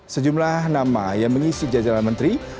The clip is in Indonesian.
sejumlah nama yang mengisi jajaran menteri